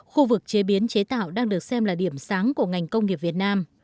khu vực chế biến chế tạo đang được xem là điểm sáng của ngành công nghiệp việt nam